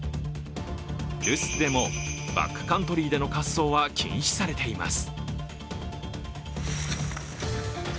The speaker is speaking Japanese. ルスツでもバックカントリーでの滑走は禁止されています。